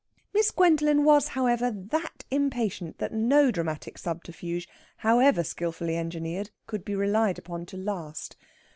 Miss Gwendolen was, however, that impatient that no dramatic subterfuge, however skilfully engineered, could be relied upon to last.